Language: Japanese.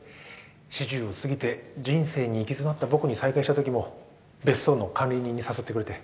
四十を過ぎて人生に行き詰まった僕に再会したときも別荘の管理人に誘ってくれて。